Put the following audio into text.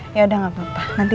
mok operasimu tentu